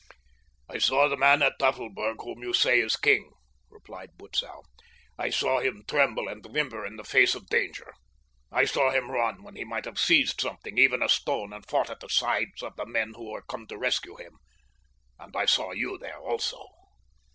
"I saw the man at Tafelberg whom you say is king," replied Butzow. "I saw him tremble and whimper in the face of danger. I saw him run when he might have seized something, even a stone, and fought at the sides of the men who were come to rescue him. And I saw you there also.